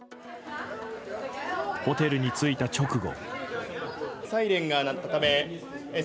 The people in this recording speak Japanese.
ホテルに着いた直後。